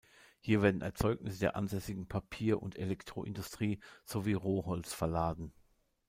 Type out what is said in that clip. Hier werden Erzeugnisse der ansässigen Papier- und Elektroindustrie sowie Roh-Holz verladen.